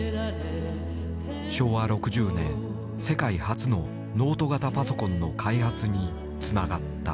昭和６０年世界初のノート型パソコンの開発につながった。